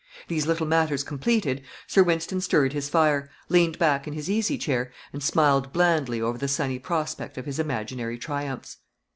These little matters completed, Sir Wynston stirred his fire, leaned back in his easy chair, and smiled blandly over the sunny prospect of his imaginary triumphs.